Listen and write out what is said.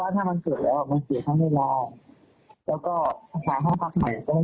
ไปหาห้องที่ไม่ให้เลี้ยงสัตว์ไม่ให้เลี้ยงหมาเลี้ยงแมงจะดีที่สุดนะครับ